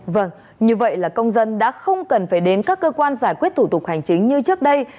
vâng như vậy là công dân đã không cần phải đến các cơ quan giải quyết thủ tục hành chính như trước đây